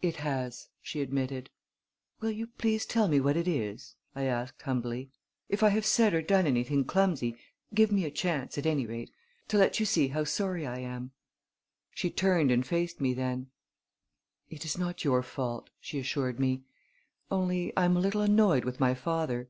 "It has," she admitted. "Will you please tell me what it is?" I asked humbly. "If I have said or done anything clumsy give me a chance, at any rate, to let you see how sorry I am." She turned and faced me then. "It is not your fault," she assured me; "only I am a little annoyed with my father."